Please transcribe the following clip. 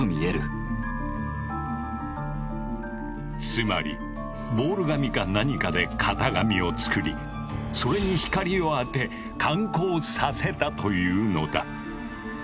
つまりボール紙か何かで型紙を作りそれに光を当て感光させたというのだ。